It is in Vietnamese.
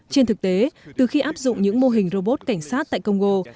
trên thực tế từ khi áp dụng những mô hình robot cảnh sát tại các ngã tư đông